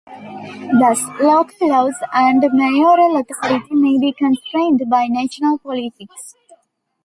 Thus, local laws and mayoral authority may be constrained by national politics.